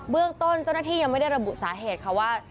เรื่องต้นเจ้าหน้าที่ยังไม่ได้ระบุสาเหตุค่ะว่า